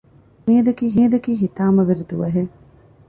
މިއަދަކީ ހިތާމަވެރި ދުވަހެއް